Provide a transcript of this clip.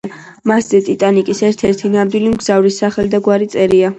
მასზე „ტიტანიკის“ ერთ-ერთი ნამდვილი მგზავრის სახელი და გვარი წერია.